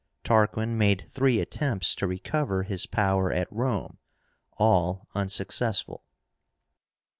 Tarquin made three attempts to recover his power at Rome, all unsuccessful.